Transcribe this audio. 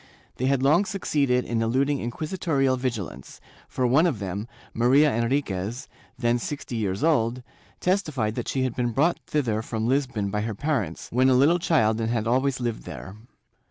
They had long succeeded in eluding inquisitorial vigilance, for one of them, Maria Enriquez, then sixty years old, testified that she had been brought thither from Lisbon by her parents, when a little child and had always lived there.